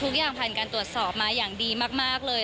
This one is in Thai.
ทุกอย่างผ่านการตรวจสอบมาอย่างดีมากเลย